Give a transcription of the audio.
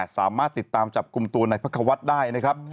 สามารถติดตามจับกลุ่มตัวในพระควัฒน์ได้นะครับ